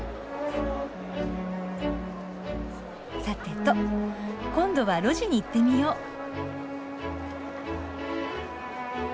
さてと今度は路地に行ってみよう。